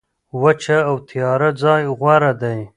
وچه او تیاره ځای غوره دی.